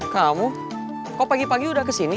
kamu kok pagi pagi udah kesini